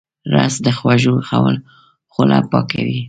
رس د خوږو خوله پاکوي